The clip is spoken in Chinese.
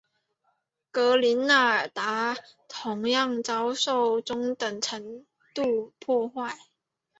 格林纳达同样遭受中等程度破坏。